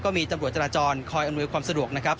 มีตำรวจจราจรคอยอำนวยความสะดวกนะครับ